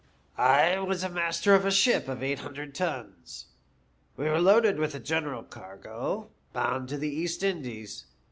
" I was master of a ship of eight hundred tons. We were loaded with a general cargo, bound to the East Indies.